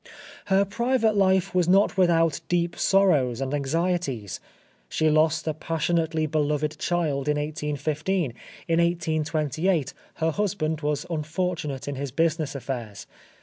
Her private life was not without deep sorrows and anxieties. She lost a passionately beloved child in 1815; in 1828 her husband was unfortunate in his business affairs.